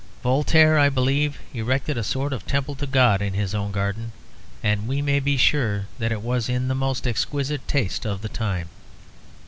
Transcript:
Voltaire, I believe, erected a sort of temple to God in his own garden; and we may be sure that it was in the most exquisite taste of the time.